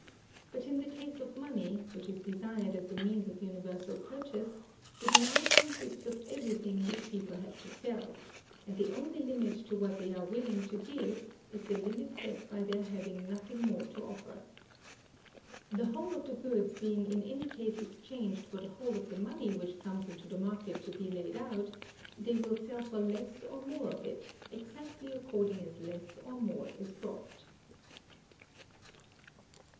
But in the case of money, which is desired as the means of universal purchase, the demand consists of everything which people have to sell; and the only limit to what they are willing to give, is the limit set by their having nothing more to offer. The whole of the goods being in any case exchanged for the whole of the money which comes into the market to be laid out, they will sell for less or more of it, exactly according as less or more is brought.